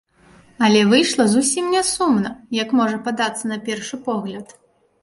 Але выйшла зусім не сумна, як можа падацца на першы погляд.